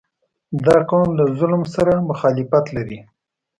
• دا قوم له ظلم سره مخالفت لري.